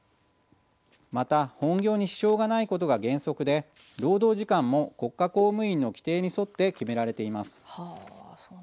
また本業に支障がないことが原則で、労働時間も国家公務員の規定に沿って決められています。